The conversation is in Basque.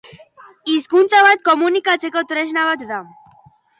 Hizkuntza bat komunikatzeko tresna bat da.